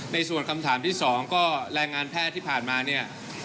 ในส่วนคำถามที่๒ก็แรงงานแพทย์ที่ผ่านมาเนี่ย